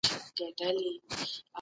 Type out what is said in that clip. د نفوسو وده تر اقتصادي ودي ګړندۍ ده.